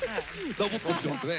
ダボっとしてますね。